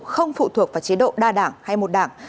không phụ thuộc vào chế độ đa đảng hay một đảng